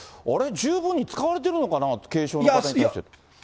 十分に使われてるのかな、軽症の方に対してって。